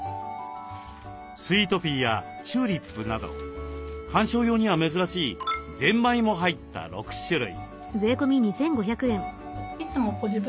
スイートピーやチューリップなど観賞用には珍しいゼンマイも入った６種類。